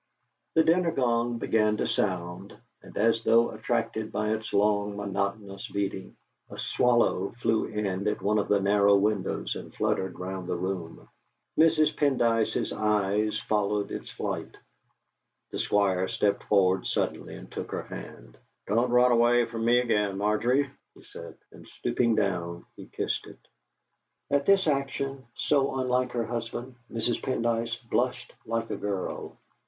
The dinner gong began to sound, and as though attracted by its long monotonous beating, a swallow flew in at one of the narrow windows and fluttered round the room. Mrs. Pendyce's eyes followed its flight. The Squire stepped forward suddenly and took her hand. "Don't run away from me again, Margery!" he said; and stooping down, he kissed it. At this action, so unlike her husband, Mrs. Pendyce blushed like a girl.